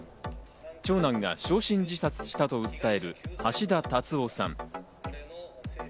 長男が焼身自殺したと訴える橋田達夫さん。